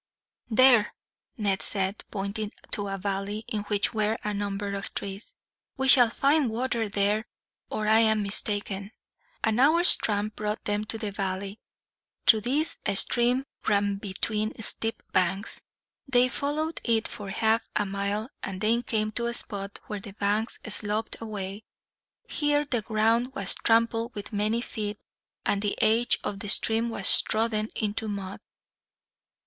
"There," Ned said, pointing to a valley in which were a number of trees. "We shall find water there, or I am mistaken." An hour's tramp brought them to the valley. Through this a stream ran between steep banks. They followed it for half a mile, and then came to a spot where the banks sloped away. Here the ground was trampled with many feet, and the edge of the stream was trodden into mud.